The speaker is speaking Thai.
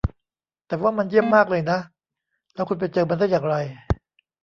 แต่ว่ามันเยี่ยมมากเลยนะ แล้วคุณไปเจอมันได้อย่างไร